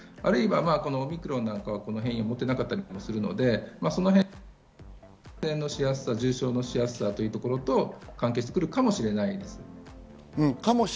オミクロンなんかは変異を持っていなかったりもするので、そのへんの重症化しやすさというところと関係してくるかもしれない。